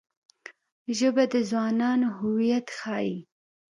ژبه د ځوانانو هویت ښيي